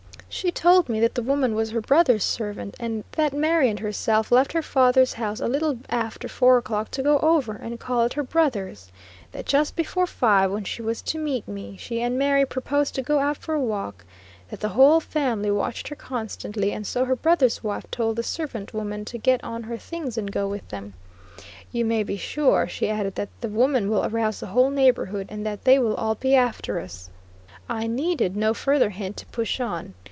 She told me that the woman was her brother's servant; that Mary and herself left her father's house a little after four o'clock to go over and call at her brother's; that just before five, when she was to meet me, she and Mary proposed to go out for a walk; that the whole family watched her constantly, and so her brother's wife told the servant woman to get on her things and go with them. "You, may be sure," she, added, "that the woman will arouse the whole neighborhood, and that they will all be after us." I needed no further hint to push on.